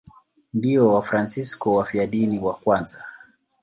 Ndio Wafransisko wafiadini wa kwanza.